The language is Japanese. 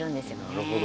なるほど。